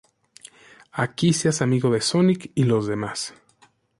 Aquí se hace amigo de Sonic y los demás.